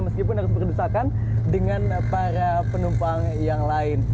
meskipun harus berdesakan dengan para penumpang yang lain